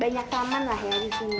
banyak taman lah ya di sini